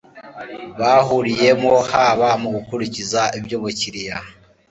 bahuriyemo haba mu gukurikiza iby umukiriya